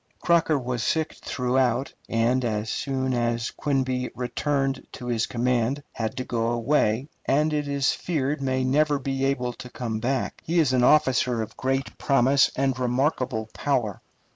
Crocker was sick throughout, and, as soon as Quinby returned to his command, had to go away, and it is feared may never be able to come back. He is an officer of great promise and remarkable power.